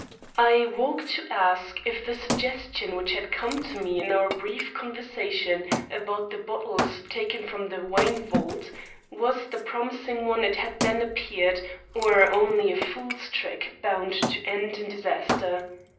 I woke to ask if the suggestion which had come to me in our brief conversation about the bottles taken from the wine vault, was the promising one it had then appeared, or only a fool's trick bound to end in disaster.